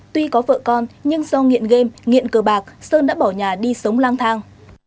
tuy có vợ con nhưng do nghiện game nghiện cờ bạc sơn đã bỏ nhà đi sống lang thang